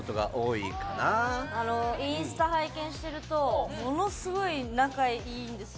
インスタ拝見してるとものすごい仲いいんですよ